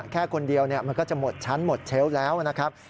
แค่คนเดียวมันก็จะหมดชั้นหมดเชลล์แล้วนะครับ